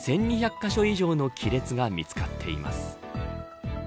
カ所以上の亀裂が見つかっています。